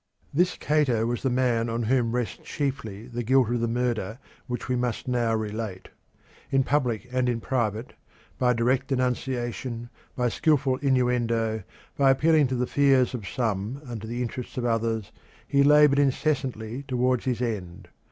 This Cato was the man on whom rests chiefly the guilt of the murder which we must now relate. In public and in private, by direct denunciation, by skilful innuendo, by appealing to the fears of some and to the interests of others, he laboured incessantly towards his end.